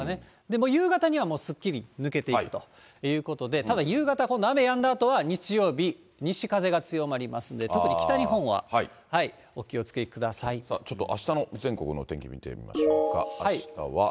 もう夕方にはすっきり抜けていくということで、ただ、夕方、今度雨やんだあとは日曜日、西風が強まりますんで、ちょっとあしたの全国の天気見ていきましょうか。